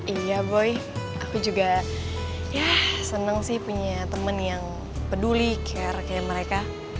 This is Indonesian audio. iya boy aku juga ya seneng sih punya teman yang peduli care kayak mereka